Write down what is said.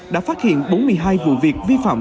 đã phát hiện bốn mươi hai vụ việc vi phạm